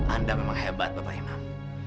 anda memang hebat bapak iman